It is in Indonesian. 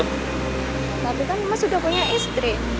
tapi kan emas udah punya istri